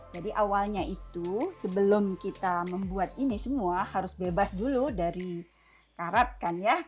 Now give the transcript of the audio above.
jadi awalnya itu sebelum kita membuat ini semua harus bebas dulu dari karat kan ya